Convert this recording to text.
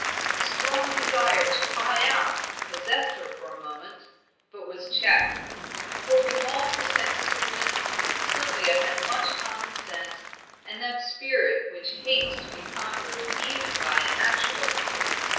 A strong desire to cry out possessed her for a moment, but was checked; for with all her sensitiveness Sylvia had much common sense, and that spirit which hates to be conquered even by a natural fear.